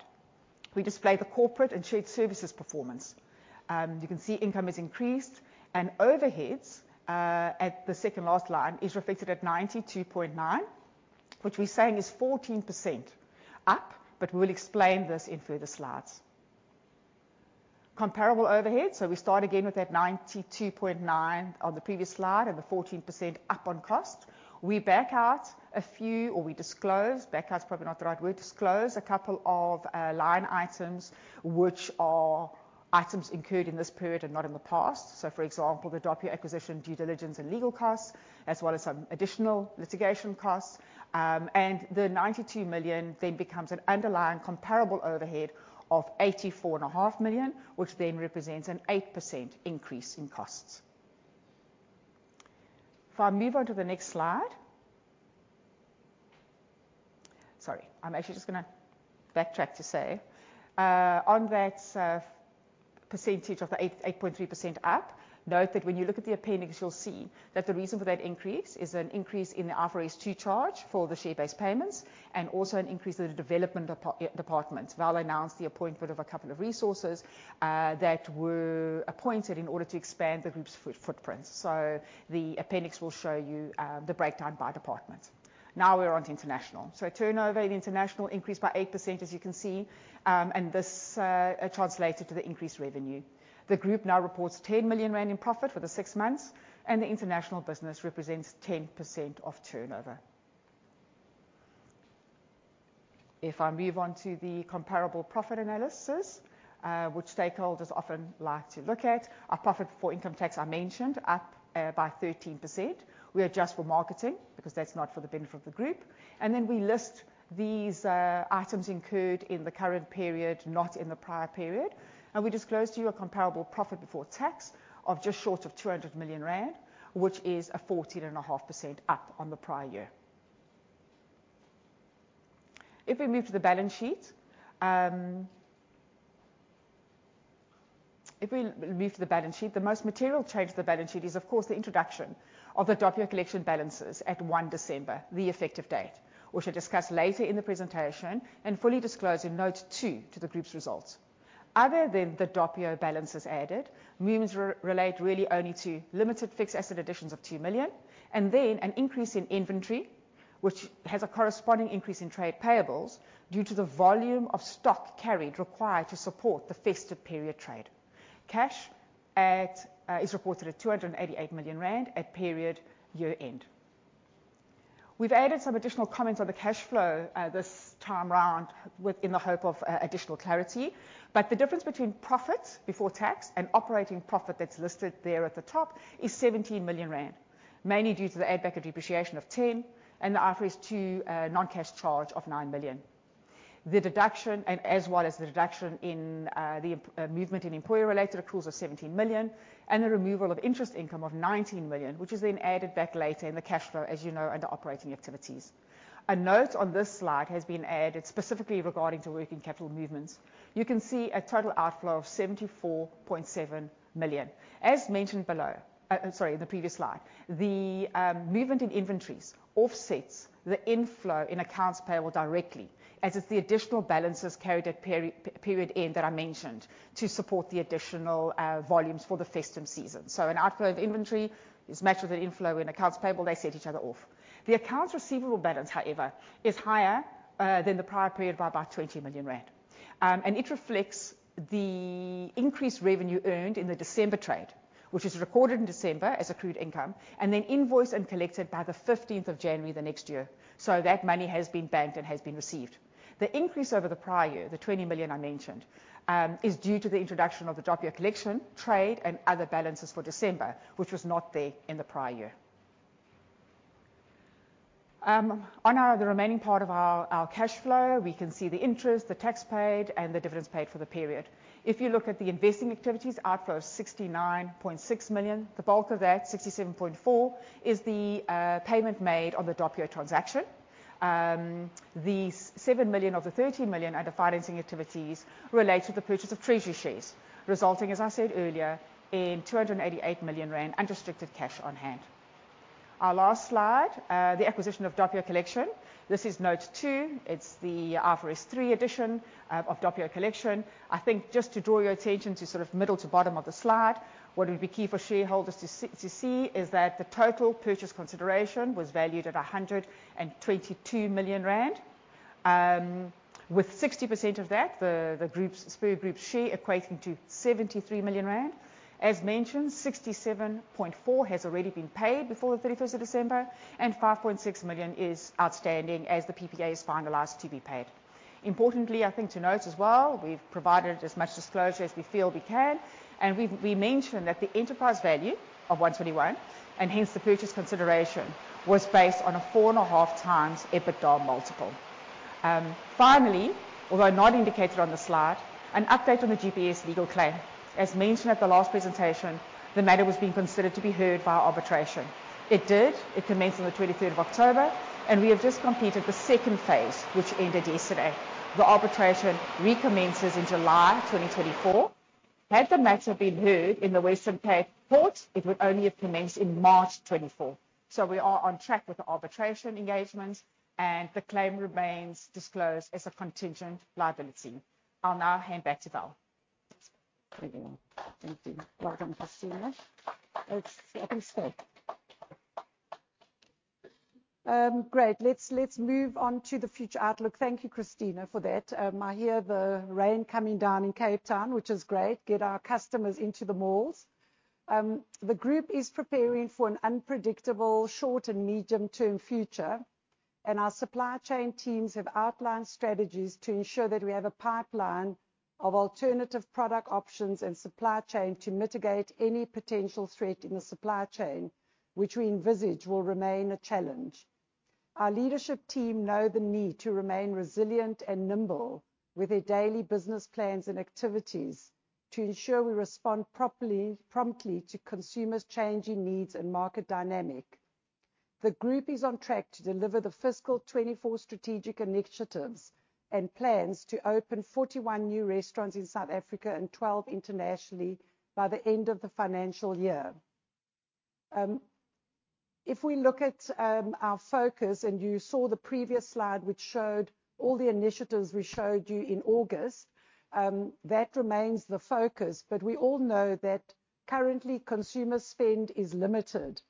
we display the corporate and shared services performance. You can see income has increased, and overheads at the second last line is reflected at 92.9 million, which we're saying is 14% up, but we will explain this in further slides. Comparable overheads, so we start again with that 92.9 million on the previous slide, and the 14% up on cost. We back out a few, or we disclose, back out is probably not the right word. Disclose a couple of line items, which are items incurred in this period and not in the past, so, for example, the Doppio acquisition, due diligence, and legal costs, as well as some additional litigation costs, and the 92 million then becomes an underlying comparable overhead of 84.5 million, which then represents an 8% increase in costs. If I move on to the next slide... Sorry, I'm actually just gonna backtrack to say, on that, percentage of the 8.3% up, note that when you look at the appendix, you'll see that the reason for that increase is an increase in the IFRS 2 charge for the share-based payments, and also an increase in the development department. Val announced the appointment of a couple of resources, that were appointed in order to expand the group's footprint. So the appendix will show you, the breakdown by department. Now we're on to international. So turnover in international increased by 8%, as you can see, and this translated to the increased revenue. The group now reports 10 million rand in profit for the six months, and the international business represents 10% of turnover. If I move on to the comparable profit analysis, which stakeholders often like to look at, our profit for income tax, I mentioned, up by 13%. We adjust for marketing, because that's not for the benefit of the group, and then we list these items incurred in the current period, not in the prior period, and we disclose to you a comparable profit before tax of just short of 200 million rand, which is a 14.5% up on the prior year. If we move to the balance sheet, If we move to the balance sheet, the most material change to the balance sheet is, of course, the introduction of the Doppio Collection balances at 1 December, the effective date, which I'll discuss later in the presentation and fully disclose in note 2 to the group's results. Other than the Doppio balances added, movements relate really only to limited fixed asset additions of 2 million, and then an increase in inventory, which has a corresponding increase in trade payables due to the volume of stock carried required to support the festive period trade. Cash at is reported at 288 million rand at period year-end. We've added some additional comments on the cash flow this time around, with in the hope of additional clarity, but the difference between profits before tax and operating profit that's listed there at the top is 17 million rand, mainly due to the add-back of depreciation of 10 million and the IFRS 2 non-cash charge of 9 million. The deduction, and as well as the reduction in, the, movement in employee-related accruals of 17 million and the removal of interest income of 19 million, which is then added back later in the cash flow, as you know, under operating activities. A note on this slide has been added specifically regarding to working capital movements. You can see a total outflow of 74.7 million. As mentioned below, sorry, in the previous slide, the movement in inventories offsets the inflow in accounts payable directly, as it's the additional balances carried at period end that I mentioned to support the additional volumes for the festive season. So an outflow of inventory is matched with an inflow in accounts payable. They set each other off. The accounts receivable balance, however, is higher than the prior period by about 20 million rand, and it reflects the increased revenue earned in the December trade, which is recorded in December as accrued income, and then invoiced and collected by the fifteenth of January the next year. So that money has been banked and has been received. The increase over the prior year, the 20 million I mentioned, is due to the introduction of the Doppio Collection trade, and other balances for December, which was not there in the prior year. On the remaining part of our cash flow, we can see the interest, the tax paid, and the dividends paid for the period. If you look at the investing activities, outflow of 69.6 million, the bulk of that, 67.4 million, is the payment made on the Doppio transaction. The 7 million of the 13 million under financing activities relates to the purchase of treasury shares, resulting, as I said earlier, in 288 million rand unrestricted cash on hand. Our last slide, the acquisition of Doppio Collection. This is note 2. It's the IFRS 3 addition of Doppio Collection. I think just to draw your attention to sort of middle to bottom of the slide, what would be key for shareholders to see is that the total purchase consideration was valued at 122 million rand. With 60% of that, the group's, Spur Group share equating to 73 million rand. As mentioned, 67.4 million has already been paid before the thirty-first of December, and 5.6 million is outstanding as the PPA is finalized to be paid. Importantly, I think to note as well, we've provided as much disclosure as we feel we can, and we've, we mentioned that the enterprise value of 121 million, and hence the purchase consideration, was based on a 4.5x EBITDA multiple. Finally, although not indicated on the slide, an update on the GPS legal claim. As mentioned at the last presentation, the matter was being considered to be heard via arbitration. It did. It commenced on the twenty-third of October, and we have just completed the second phase, which ended yesterday. The arbitration recommences in July 2024. Had the matter been heard in the Western Cape Court, it would only have commenced in March 2024. So we are on track with the arbitration engagements, and the claim remains disclosed as a contingent liability. I'll now hand back to Val. Thank you. Thank you. Welcome, Cristina. Great. Let's, let's move on to the future outlook. Thank you, Cristina, for that. I hear the rain coming down in Cape Town, which is great. Get our customers into the malls. The group is preparing for an unpredictable, short and medium-term future, and our supply chain teams have outlined strategies to ensure that we have a pipeline of alternative product options and supply chain to mitigate any potential threat in the supply chain, which we envisage will remain a challenge. Our leadership team know the need to remain resilient and nimble with their daily business plans and activities, to ensure we respond properly, promptly to consumers' changing needs and market dynamic. The group is on track to deliver the fiscal 2024 strategic initiatives and plans to open 41 new restaurants in South Africa and 12 internationally by the end of the financial year. If we look at our focus, and you saw the previous slide, which showed all the initiatives we showed you in August, that remains the focus, but we all know that currently, consumer spend is limited.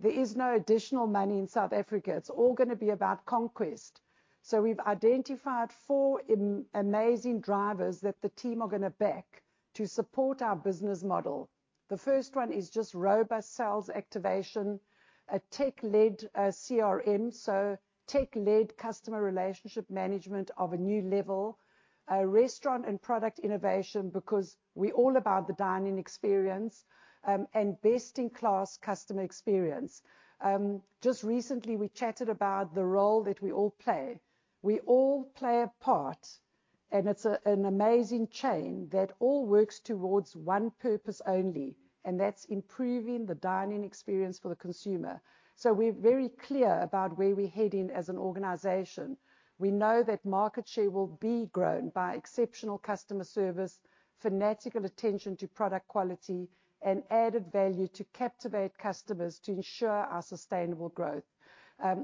There is no additional money in South Africa. It's all gonna be about conquest. So we've identified four amazing drivers that the team are gonna back to support our business model. The first one is just robust sales activation, a tech-led CRM, so tech-led customer relationship management of a new level, restaurant and product innovation, because we're all about the dining experience, and best-in-class customer experience. Just recently, we chatted about the role that we all play. We all play a part, and it's an amazing chain that all works towards one purpose only, and that's improving the dining experience for the consumer. So we're very clear about where we're heading as an organization. We know that market share will be grown by exceptional customer service, fanatical attention to product quality, and added value to captivate customers to ensure our sustainable growth.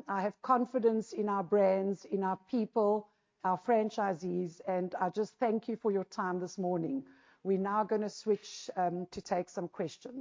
I have confidence in our brands, in our people, our franchisees, and I just thank you for your time this morning. We're now gonna switch to take some questions.